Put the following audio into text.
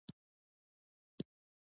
عدنان زما د ورور زوی دی